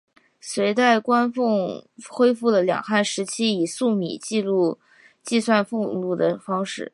隋代官俸恢复了两汉时期以粟米计算俸禄的方式。